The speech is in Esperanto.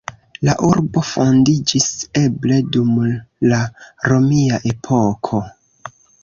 La urbo fondiĝis eble dum la romia epoko.